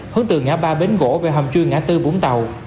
hướng từ ngã ba bến gỗ về hầm chui ngã tư vũng tàu